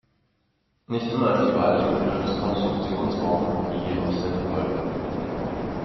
Nicht immer ist die Wahl des Begriffes „Konstruktions-Morphologie“ jedoch sinnvoll.